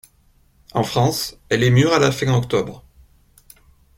En France, elle est mûre à la fin octobre.